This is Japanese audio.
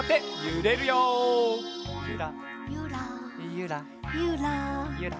ゆら。